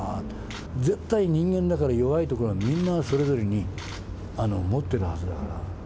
絶対人間だから、弱いとこはみんなそれぞれに持ってるはずだから。